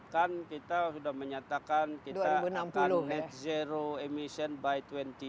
kan kita sudah menyatakan kita akan net zero emission by dua puluh